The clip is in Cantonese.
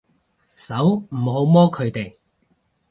手，唔好摸佢哋